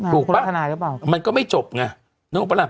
ถูกมากมันก็ไม่จบไง